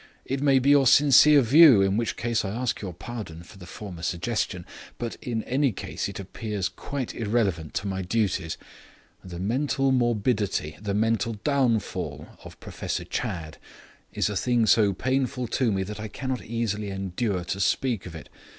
It may be your sincere view, in which case I ask your pardon for the former suggestion. But, in any case, it appears quite irrelevant to my duties. The mental morbidity, the mental downfall, of Professor Chadd, is a thing so painful to me that I cannot easily endure to speak of it.